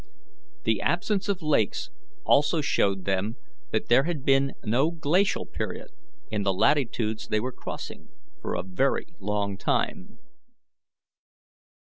The absence of lakes also showed them that there had been no Glacial period, in the latitudes they were crossing, for a very long time.